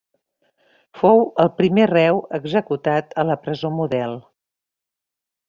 Fou el primer reu executat a la Presó Model.